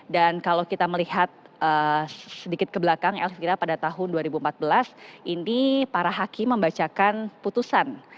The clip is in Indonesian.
dan kalau kita melihat sedikit ke belakang pada tahun dua ribu empat belas ini para hakim membacakan putusan